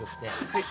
はい。